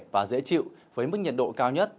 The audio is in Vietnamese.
và dễ chịu với mức nhiệt độ cao nhất